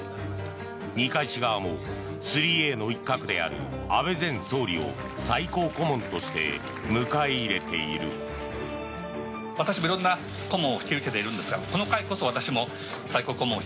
二階氏側も３Ａの一角である安倍前総理を最高顧問として迎え入れている。